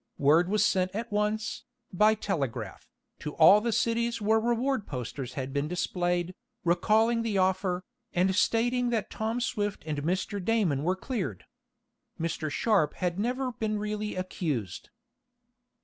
Word was sent at once, by telegraph, to all the cities where reward posters had been displayed, recalling the offer, and stating that Tom Swift and Mr. Damon were cleared. Mr. Sharp had never been really accused.